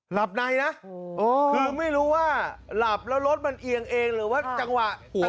หลับในนะคือไม่รู้ว่าหลับแล้วรถมันเอียงเองหรือว่าจังหวะหัว